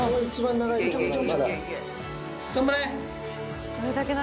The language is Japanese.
頑張れ！